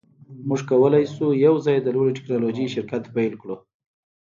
موږ کولی شو یوځای د لوړې ټیکنالوژۍ شرکت پیل کړو